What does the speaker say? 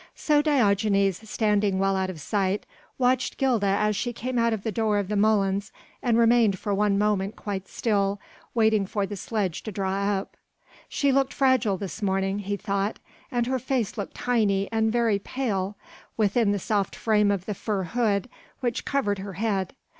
So Diogenes, standing well out of sight, watched Gilda as she came out of the door of the molens and remained for one moment quite still, waiting for the sledge to draw up. She looked fragile this morning, he thought, and her face looked tiny and very pale within the soft frame of the fur hood which covered her head.